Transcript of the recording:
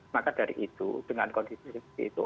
maka dari itu dengan kondisi seperti itu